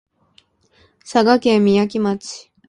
佐賀県みやき町